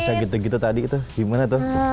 bisa gitu gitu tadi tuh gimana tuh